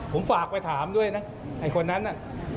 ผมฝากไปถามด้วยนะไอ้คนนั้นน่ะ